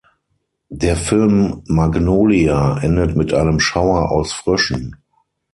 Der Film Magnolia endet mit einem Schauer aus Fröschen.